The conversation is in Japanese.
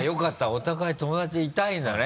お互い友達でいたいんだね。